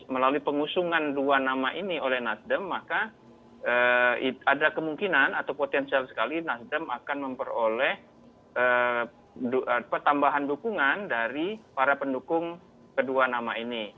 melalui pengusungan dua nama ini oleh nasdem maka ada kemungkinan atau potensial sekali nasdem akan memperoleh pertambahan dukungan dari para pendukung kedua nama ini